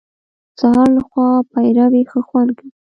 د سهار له خوا پېروی ښه خوند کوي .